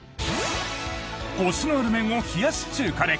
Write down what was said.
コシのある麺を冷やし中華で。